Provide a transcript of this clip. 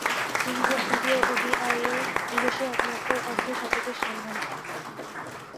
সিরিজের তৃতীয় ওডিআইয়ে নিজস্ব একমাত্র অর্ধ-শতকের সন্ধান পান।